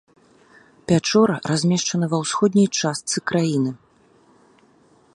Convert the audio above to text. Пячора размешчана ва ўсходняй частцы краіны.